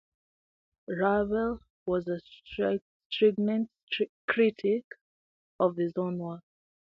Ravel was a stringent critic of his own work.